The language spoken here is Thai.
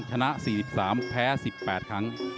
ชนะ๔๓แพ้๑๘ครั้ง